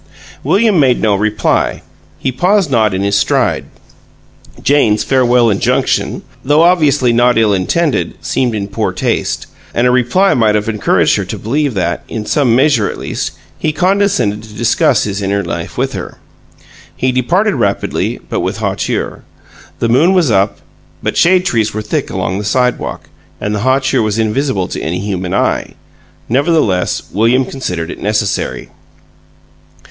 William made no reply; he paused not in his stride. Jane's farewell injunction, though obviously not ill intended, seemed in poor taste, and a reply might have encouraged her to believe that, in some measure at least, he condescended to discuss his inner life with her. He departed rapidly, but with hauteur. The moon was up, but shade trees were thick along the sidewalk, and the hauteur was invisible to any human eye; nevertheless, William considered it necessary.